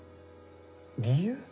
理由？